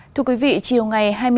thưa quý vị chiều ngày hai mươi hai